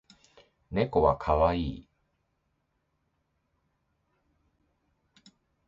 猫は可愛い